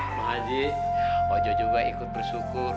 mbak haji wajo juga ikut bersyukur